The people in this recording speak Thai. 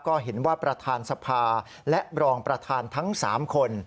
ก็เห็นว่าประธานสภาและรองประธานทั้ง๓คน